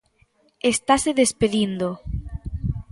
Estase despedindo.